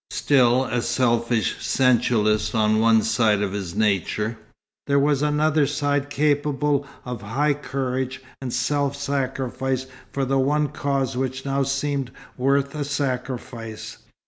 Still a selfish sensualist on one side of his nature, there was another side capable of high courage and self sacrifice for the one cause which now seemed worth a sacrifice.